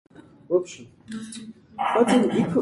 After three days together, Diarmuid grew restless.